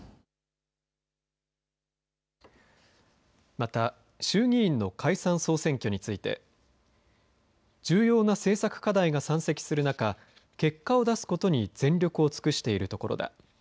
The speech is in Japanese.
また、衆議院の解散・総選挙について重要な政策課題が山積する中結果を出すことに全力を尽くしているところだ。